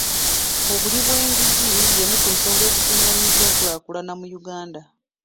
Obuli bw'enguzi y'emu ku nsonga ezizingamizza enkulaakulana mu Uganda.